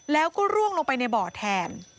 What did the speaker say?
แล้วก็ร่วงลงไปในบ่อแทน